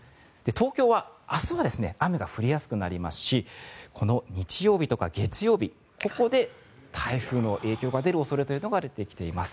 東京は明日は雨が降りやすくなりますしこの日曜日とか月曜日ここで台風の影響が出る恐れというのが出てきています。